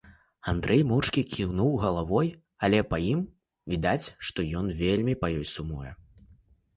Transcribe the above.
Андрэй моўчкі кіўнуў галавой, але па ім відаць, што ён вельмі па ёй сумуе.